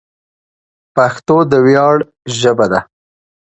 پښتو د ویاړ ژبه ده.